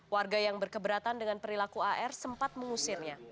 warga yang berkeberatan dengan perilaku ar sempat mengusirnya